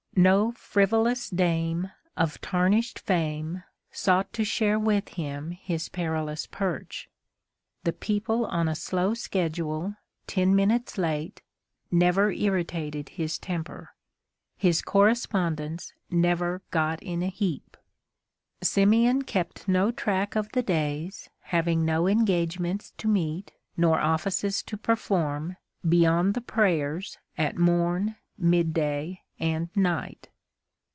No frivolous dame of tarnished fame sought to share with him his perilous perch. The people on a slow schedule, ten minutes late, never irritated his temper. His correspondence never got in a heap. Simeon kept no track of the days, having no engagements to meet, nor offices to perform, beyond the prayers at morn, midday and night.